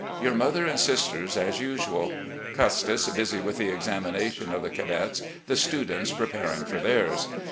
Your mother and sisters as usual. Custis busy with the examination of the cadets, the students preparing for theirs.